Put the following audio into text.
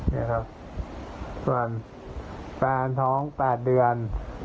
นี่ครับส่วนแฟนท้อง๘เดือน